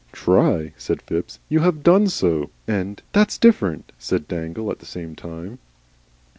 "TRY!" said Phipps. "You HAVE done so." And, "That's different," said Dangle, at the same time.